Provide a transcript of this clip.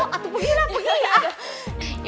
oh atuh puyuh lah puyuh ya